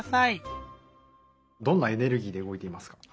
どんなエネルギ−でうごいていますか？